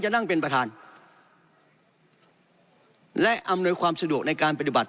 นั่งเป็นประธานและอำนวยความสะดวกในการปฏิบัติ